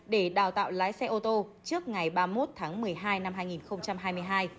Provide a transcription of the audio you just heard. để đào tạo lái xe ô tô trước ngày ba mươi một tháng một mươi hai năm hai nghìn hai mươi hai